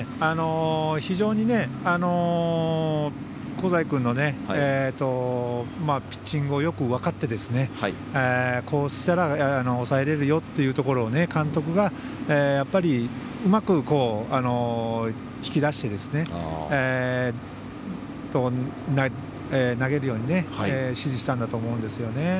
非常に香西君のピッチングをよく分かってこうしたら抑えられるよというところを監督がやっぱりうまく引き出して投げるように指示したんだと思うんですよね。